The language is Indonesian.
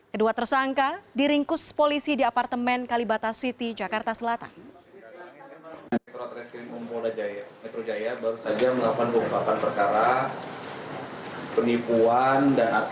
kedua tersangka diringkus polisi di apartemen kalibata city jakarta selatan